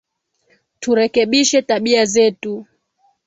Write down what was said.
Turekebishe tabia zetu